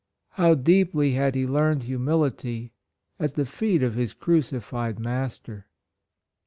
How deeply had he learned humility at the feet of his Crucified Master.